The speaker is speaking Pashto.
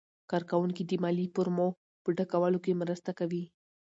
کارکوونکي د مالي فورمو په ډکولو کې مرسته کوي.